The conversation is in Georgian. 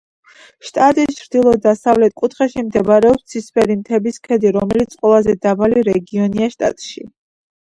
შტატის ჩრდილო დასავლეთ კუთხეში მდებარეობს ცისფერი მთების ქედი რომელიც ყველაზე დაბალი რეგიონია შტატში.